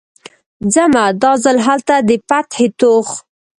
ځمه، دا ځل هلته د فتحې توغ